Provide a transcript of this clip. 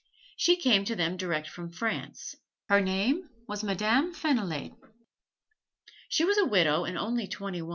She came to them direct from France. Her name was Madame Fenillade. She was a widow and only twenty two.